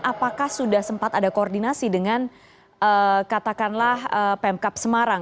apakah sudah sempat ada koordinasi dengan katakanlah pemkap semarang